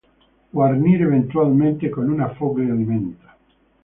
Guarnire eventualmente con una foglia di menta.